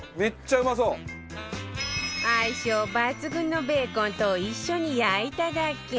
相性抜群のベーコンと一緒に焼いただけ